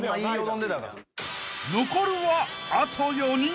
［残るはあと４人］